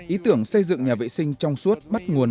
ý tưởng xây dựng nhà vệ sinh trong suốt bắt nguồn